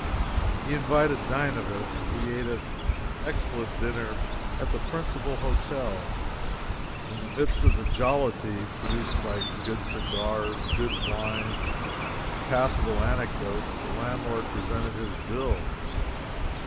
He invited nine of us, and we ate an excellent dinner at the principal hotel. In the midst of the jollity produced by good cigars, good wine, and passable anecdotes, the landlord presented his bill.